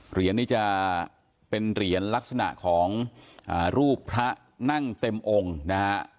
เหรียญนี้จะเป็นเหรียญลักษณะของรูปพระนั่งเต็มองค์นะฮะ